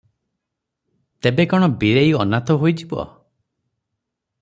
ତେବେ କଣ ବୀରେଇ ଅନାଥ ହୋଇଯିବ?